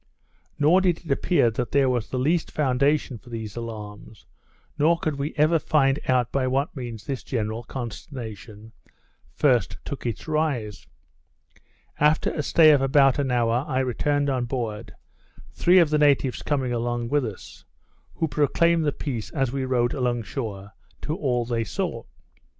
Nor did it appear that there was the least foundation for these alarms, nor could we ever find out by what means this general consternation first took its rise. After a stay of about an hour, I returned on board, three of the natives coming along with us, who proclaimed the peace as we rowed along shore to all they saw.